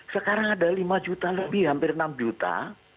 sekarang ada lima juta lebih hampir enam juta